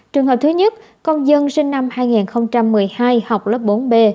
trường hợp thứ nhất con dân sinh năm hai nghìn một mươi hai học lớp bốn b